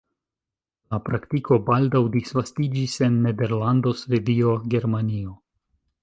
La praktiko baldaŭ disvastiĝis en Nederlando, Svedio, Germanio.